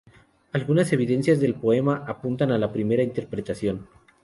Algunas evidencias del poema apuntan a la primera interpretación.